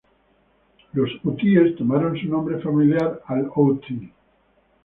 Los hutíes tomaron su nombre familiar al-Houthi.